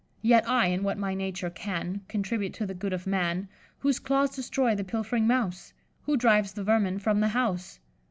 Yet I, in what my nature can, Contribute to the good of man. Whose claws destroy the pilf'ring mouse? Who drives the vermin from the house?